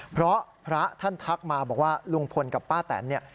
เพราะพระท่านทักมาบอกว่าลุงพลกับป้าแตนเนี่ย